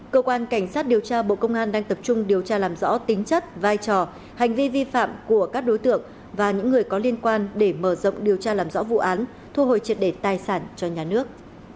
cơ quan cảnh sát điều tra bộ công an đang tập trung điều tra làm rõ tính chất vai trò hành vi vi phạm của các đối tượng và những người có liên quan để mở rộng điều tra làm rõ vụ án thu hồi triệt đề tài sản cho nhà nước